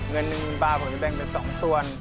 เงิน๑๐๐๐บาทผมจะแบ่งเป็น๒ส่วน